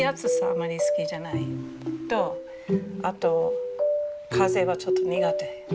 あんまり好きじゃないのとあと風がちょっと苦手。